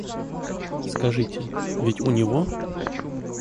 Скажите, ведь у него?